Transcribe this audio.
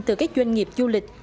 từ các doanh nghiệp du lịch